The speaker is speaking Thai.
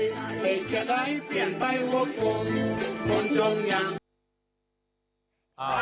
เจ้ยจะได้เปลี่ยนไปวะกวล